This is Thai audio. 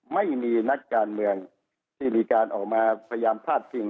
ไม่มีนักการเมืองที่มีการออกมาพยายามพาดพิง